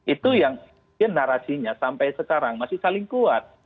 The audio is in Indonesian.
itu yang narasinya sampai sekarang masih saling kuat